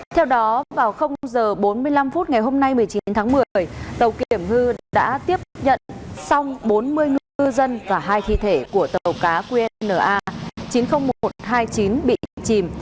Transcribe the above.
theo đó vào h bốn mươi năm phút ngày hôm nay một mươi chín tháng một mươi tàu kiểm ngư đã tiếp nhận xong bốn mươi ngư dân và hai thi thể của tàu cá qnna chín mươi nghìn một trăm hai mươi chín bị chìm